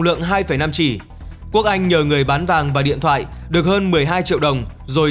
lượng hai năm chỉ quốc anh nhờ người bán vàng và điện thoại được hơn một mươi hai triệu đồng rồi